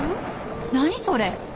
何それ。